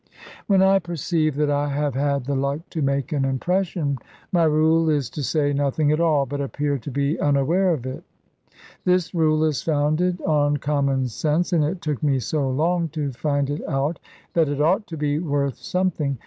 When I perceive that I have had the luck to make an impression my rule is to say nothing at all, but appear to be unaware of it. This rule is founded on common sense; and it took me so long to find it out, that it ought to be worth something.